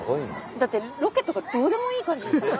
だってロケとかどうでもいい感じでしたよね。